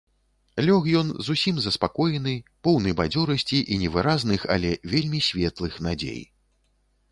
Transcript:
Лёг ён зусім заспакоены, поўны бадзёрасці і невыразных, але вельмі светлых надзей.